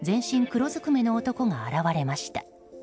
黒ずくめの男が現れました。